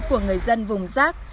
của người dân vùng rác